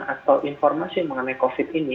atau informasi mengenai covid ini